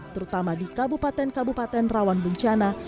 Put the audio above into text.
terutama di kabupaten kabupaten rawan bencana